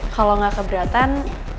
kalau gak keberatan